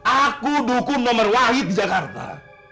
aku dukung nomor wahid di jakarta